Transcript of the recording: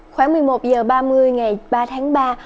khoảng một mươi một h ba mươi ngày ba tháng ba